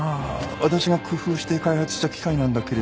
私が工夫して開発した機械なんだけれども。